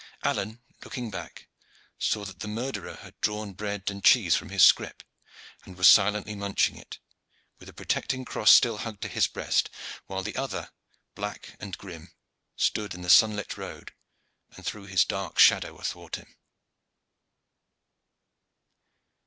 Alleyne, looking back, saw that the murderer had drawn bread and cheese from his scrip, and was silently munching it, with the protecting cross still hugged to his breast, while the other, black and grim, stood in the sunlit road and threw his dark shadow athwart him.